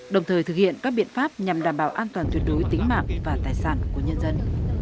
đồng thời thực hiện các biện pháp nhằm đảm bảo an toàn tuyệt đối tính mạng và tài sản của nhân dân